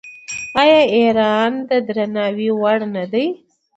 آیا ایران د درناوي وړ نه دی؟